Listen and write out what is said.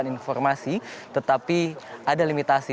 mendapatkan informasi tetapi ada limitasi